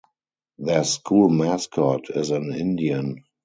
Their school mascot is an Indian.